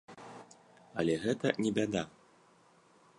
Але гэта не бяда.